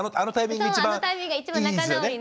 そうあのタイミングが一番仲直りね。